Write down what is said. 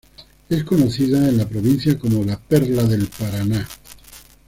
Es conocida en la provincia como "La Perla del Paraná".